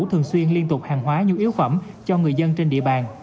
thường xuyên liên tục hàng hóa nhu yếu phẩm cho người dân trên địa bàn